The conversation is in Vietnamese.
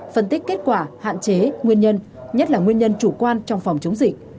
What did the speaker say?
phân tích kết quả hạn chế nguyên nhân nhất là nguyên nhân chủ quan trong phòng chống dịch